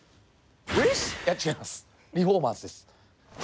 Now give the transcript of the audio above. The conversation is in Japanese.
いや違います「リフォーマーズ」です。